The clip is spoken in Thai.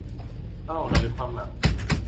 เอ้า ระลึกความหลัง